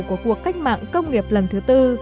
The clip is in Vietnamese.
của cuộc cách mạng công nghiệp lần thứ tư